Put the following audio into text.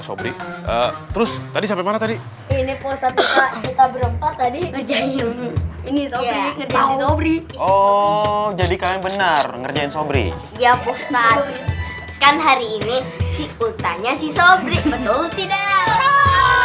jadi kalian benar ngerjain sobri ya pustat kan hari ini si utanya si sobri betul tidak